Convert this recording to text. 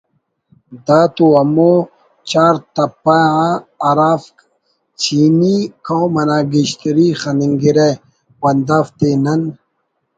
دا تو ہمو چار تپہ ءُ ہرافک چینی قوم انا گیشتری خننگرہ و ہندافتے نن